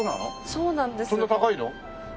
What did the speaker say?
そんな高いの？